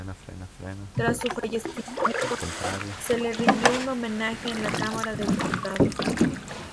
Tras su fallecimiento, se le rindió un homenaje en la Camara de Diputados.